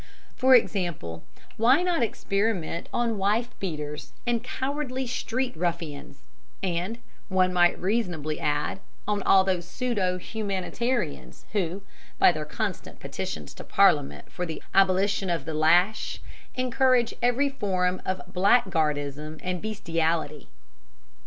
"For example, why not experiment on wife beaters and cowardly street ruffians, and, one might reasonably add, on all those pseudo humanitarians who, by their constant petitions to Parliament for the abolition of the lash, encourage every form of blackguardism and bestiality?"